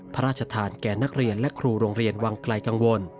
พระราชทานแก่นักเรียนและครูโรงเรียนวังไกลกังวล